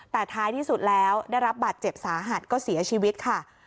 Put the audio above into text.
แต่ท้ายที่สุดแล้วได้รับบาดเจ็บสาหัสก็เสียชีวิตค่ะ